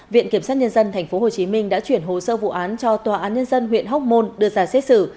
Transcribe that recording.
viện kiểm sát nhân dân tp hcm đã chuyển hồ sơ vụ án cho tòa án nhân dân huyện hóc môn đưa ra xét xử